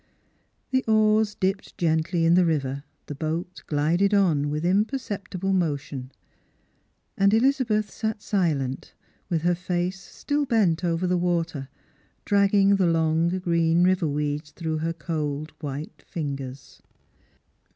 The oars dipped gently in the river, the boat glided on with imperceptible motion, and EUzabeth sat silent with her face still bent over the water, dragging the long green river weeds through her cold white fingers.